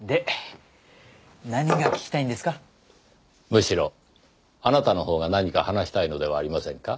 むしろあなたのほうが何か話したいのではありませんか？